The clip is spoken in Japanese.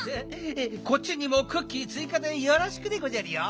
こっちにもクッキーついかでよろしくでごじゃるよ！